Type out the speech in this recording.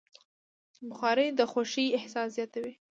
بخاري د خوښۍ احساس زیاتوي.